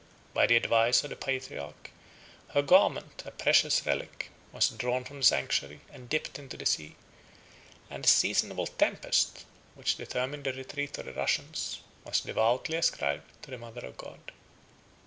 60 By the advice of the patriarch, her garment, a precious relic, was drawn from the sanctuary and dipped in the sea; and a seasonable tempest, which determined the retreat of the Russians, was devoutly ascribed to the mother of God.